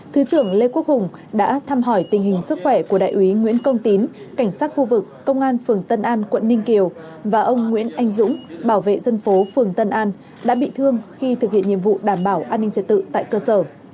thứ trưởng lê quốc hùng đã thăm hỏi tình hình sức khỏe của đại úy nguyễn công tín cảnh sát khu vực công an phường tân an quận ninh kiều và ông nguyễn anh dũng bảo vệ dân phố phường tân an đã bị thương khi thực hiện nhiệm vụ đảm bảo an ninh trật tự tại cơ sở